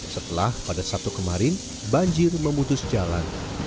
setelah pada sabtu kemarin banjir memutus jalan